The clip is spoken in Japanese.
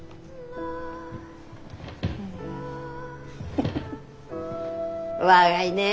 フフフ若いねえ。